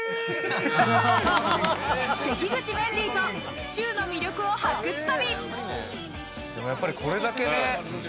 関口メンディーと府中の魅力を発掘旅。